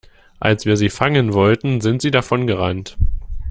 Als wir sie fangen wollten, sind sie davon gerannt.